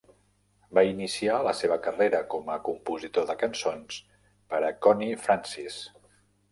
Va iniciar la seva carrera com a compositor de cançons per a Connie Francis.